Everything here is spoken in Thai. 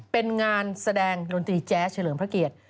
เป็นงานแสดงดนตรีแจ๊สเฉลิมพระเกียรติ